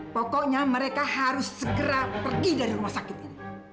pokoknya mereka harus segera pergi dari rumah sakit ini